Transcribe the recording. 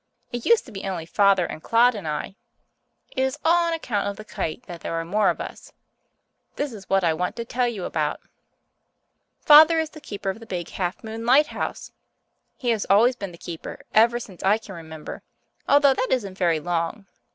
It used to be only Father and Claude and I. It is all on account of the kite that there are more of us. This is what I want to tell you about. Father is the keeper of the Big Half Moon lighthouse. He has always been the keeper ever since I can remember, although that isn't very long.